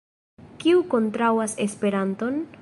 Kiu kontraŭas Esperanton?